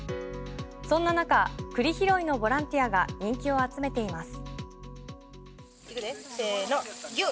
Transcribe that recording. そんな中栗拾いのボランティアが人気を集めています。